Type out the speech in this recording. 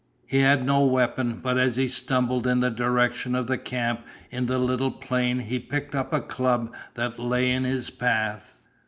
He had no weapon, but as he stumbled in the direction of the camp in the little plain he picked up a club that lay in his path.